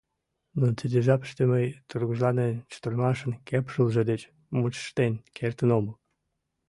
Но тиде жапыште мый тургыжланен чытырымашын кепшылже деч мучыштен кертын омыл.